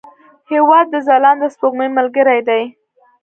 هېواد د ځلانده سپوږمۍ ملګری دی.